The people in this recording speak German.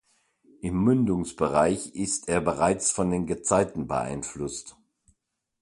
Im Mündungsbereich ist er bereits von den Gezeiten beeinflusst.